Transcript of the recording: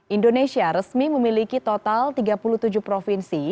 indonesia resmi memiliki total tiga puluh tujuh provinsi